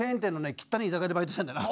きったねえ居酒屋でバイトしたんだよな。